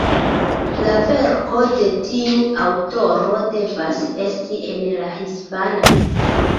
La verko de tiu aŭtoro devas esti en la hispana.